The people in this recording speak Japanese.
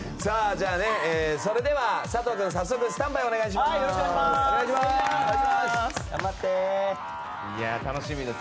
それでは佐藤君早速スタンバイをお願いします。